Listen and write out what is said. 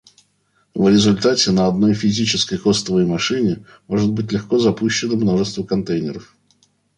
В результате на одной физической хостовой машине может быть легко запущено множество контейнеров